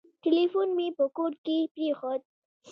ټلیفون مي په کور کي پرېښود .